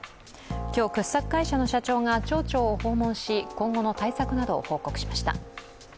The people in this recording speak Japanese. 今日、掘削会社の社長が町長を訪問し、今後の対策などを報告しました。